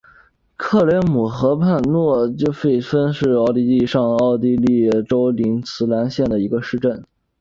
克雷姆河畔诺伊霍芬是奥地利上奥地利州林茨兰县的一个市镇。